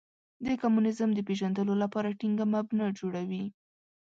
د کمونیزم د پېژندلو لپاره ټینګه مبنا جوړوي.